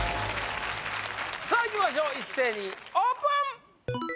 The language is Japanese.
さあいきましょう一斉にオープン！